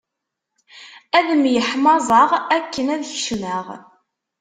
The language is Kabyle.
Ad myeḥmaẓeɣ akken ad kecmeɣ.